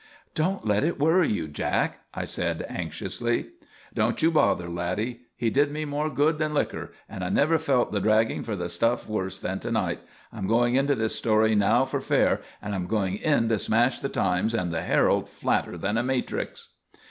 "Don't let it worry you, Jack," I said anxiously. "Don't you bother, laddie. He did me more good than liquor, and I never felt the dragging for the stuff worse than to night. I'm going into this story now for fair, and I'm going in to smash the Times and the Herald flatter than a matrix."